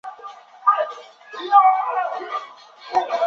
刚好在吃饭时遇到